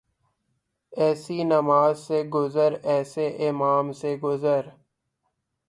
ایسی نماز سے گزر ایسے امام سے گزر